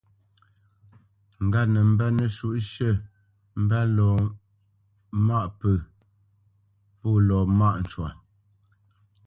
Ŋgât nə mbə́ nəshǔʼshʉ̂ mbə́ lɔ maʼ pə̂ pô lɔ mâʼ cwa.